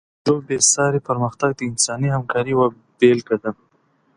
د پيژو بېساری پرمختګ د انساني همکارۍ یوه بېلګه ده.